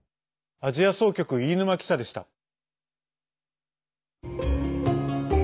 アジア総局、飯沼記者でした。